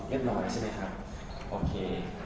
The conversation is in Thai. ลายทั้งสองจุดเรียบร้อยใช่ไหมฮะ